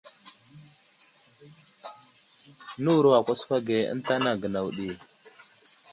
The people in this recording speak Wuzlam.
Nəwuro a kwaskwa ge ənta anaŋ gənaw ɗi.